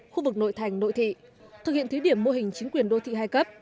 khu vực nội thành nội thị thực hiện thí điểm mô hình chính quyền đô thị hai cấp